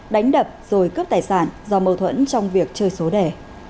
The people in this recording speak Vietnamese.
đánh đập rồi cướp tài sản do mâu thuẫn trong việc chơi số đẻ